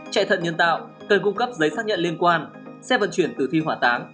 chạy thận nhân tạo cần cung cấp giấy xác nhận liên quan xe vận chuyển từ thi hỏa táng